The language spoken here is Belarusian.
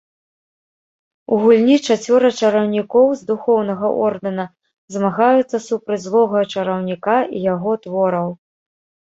У гульні чацвёра чараўнікоў з духоўнага ордэна змагаюцца супраць злога чараўніка і яго твораў.